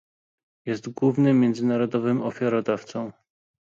Jest głównym międzynarodowym ofiarodawcą